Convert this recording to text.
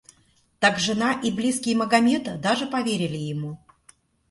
Так, жена и близкие Магомета даже поверили ему.